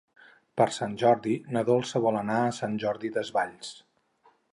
Per Sant Jordi na Dolça vol anar a Sant Jordi Desvalls.